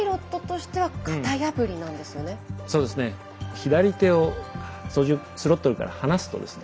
左手をスロットルから離すとですね